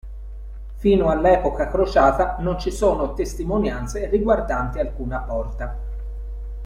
Fino all'epoca crociata non ci sono testimonianze riguardanti alcuna porta.